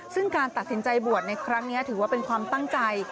ซึ่งการตัดสินใจบวชในครั้งนี้ถือว่าเป็นความตั้งใจ